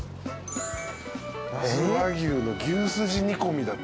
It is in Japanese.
那須和牛の牛すじ煮込だって。